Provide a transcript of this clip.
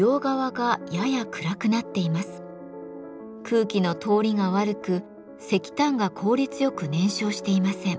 空気の通りが悪く石炭が効率よく燃焼していません。